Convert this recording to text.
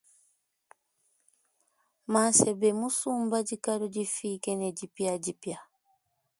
Mansebe musumba dikalu difike ne dipiadipia.